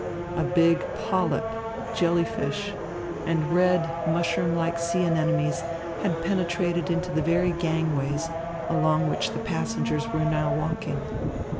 A big polyp, jelly fish, and red, mushroom like sea anemones had penetrated into the very gangways along which the passengers were now walking.